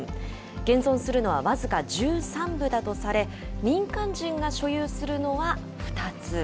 現存するのは僅か１３部だとされ、民間人が所有するのは２つ。